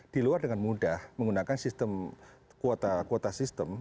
di luar dengan mudah menggunakan sistem kuota kuota sistem